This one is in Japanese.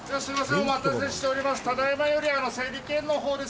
お待たせしております」